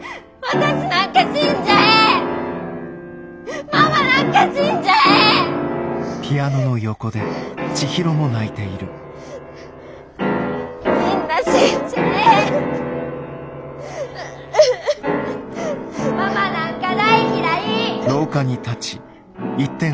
私なんか大嫌い！